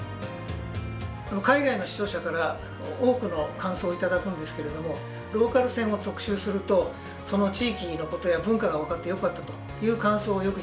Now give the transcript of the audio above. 海外の視聴者から多くの感想を頂くんですけれどもローカル線を特集するとその地域のことや文化が分かってよかったという感想をよく頂きます。